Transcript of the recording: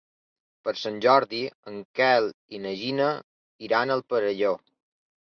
Per Sant Jordi en Quel i na Gina iran al Perelló.